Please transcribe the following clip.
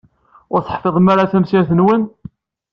Ur teḥfiḍem ara tamsirt-nwen?